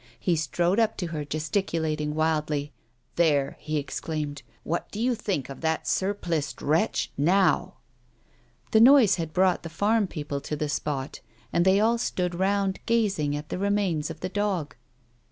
He strode up to her, gesticulating wildly. " There !" he exclaimed. " What do you think of that surpliced wretch, now 1 " The noise had brought the farmpeople to the spot, and they all stood round, gazing at the remains of the dog.